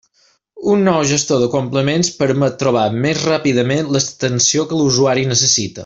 Un nou gestor de complements permet trobar més ràpidament l'extensió que l'usuari necessita.